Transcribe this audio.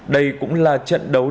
đây cũng là trận đấu tài